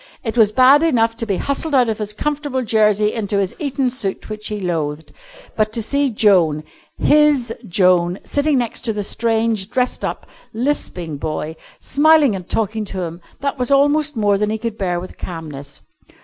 It was bad enough to be hustled out of his comfortable jersey into his Eton suit which he loathed. But to see Joan, his Joan, sitting next the strange, dressed up, lisping boy, smiling and talking to him, that was almost more than he could bear with calmness.